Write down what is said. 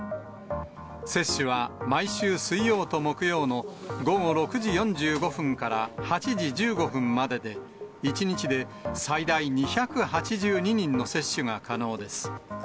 接種は毎週水曜と木曜の午後６時４５分から８時１５分までで、１日で最大２８２人の接種が可能です。